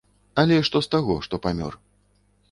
Але і што з таго, што памёр!